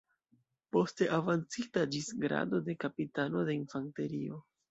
Poste avancita ĝis grado de kapitano de infanterio.